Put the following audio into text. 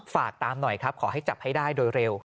ฝากตามหน่อยครับขอให้จับให้ได้โดยเร็ว